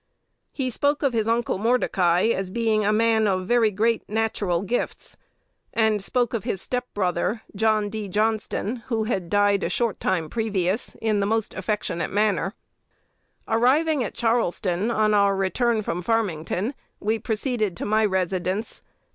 He spoke of his uncle Mordecai as being a man of very great natural gifts, and spoke of his step brother, John D. Johnston, who had died a short time previous, in the most affectionate manner. "Arriving at Charleston on our return from Farmington, we proceeded to my residence.